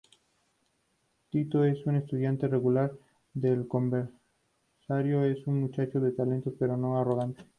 Tito es un estudiante regular del conservatorio, es un muchacho talentoso pero muy arrogante.